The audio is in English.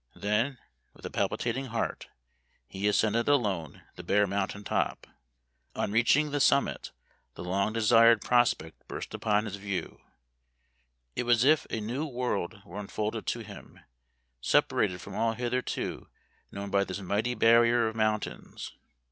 Then, with a palpitating heart, he ascended alone the bare mountain top. On 204 Memoir of Washingtoti Irving. reaching the summit the long desired prospect burst upon his view. It was as if a new world were unfolded to him, separated from all hitherto known by this mighty barrier of mountains.